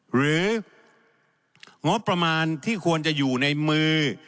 หรืองบประมาณที่ควรจะอยู่ในมือ